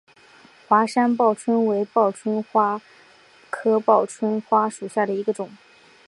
华山报春为报春花科报春花属下的一个种。